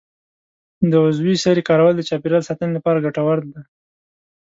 د عضوي سرې کارول د چاپیریال ساتنې لپاره ګټور دي.